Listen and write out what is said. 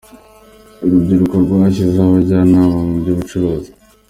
Urubyiruko rwashyiriweho abajyanama mu by’ubucuruzi